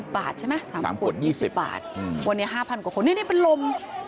๒๐บาทใช่ไหมเนี่ย๓ขวด๒๐บาทวันนี้๕๐๐๐กว่านี่ปีนลม